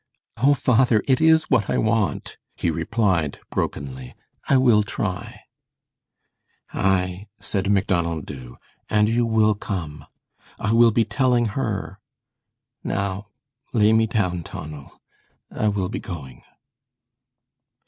"Oh, father, it is what I want," he replied, brokenly. "I will try." "Aye," said Macdonald Dubh, "and you will come. I will be telling HER. Now lay me down, Tonal; I will be going."